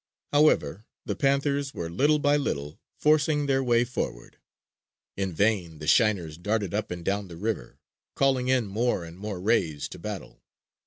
However, the panthers were little by little forcing their way forward. In vain the shiners darted up and down the river calling in more and more rays to battle.